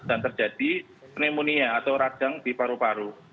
dan terjadi pneumonia atau ragang di paru paru